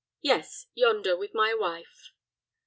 "Yes, yonder, with my wife."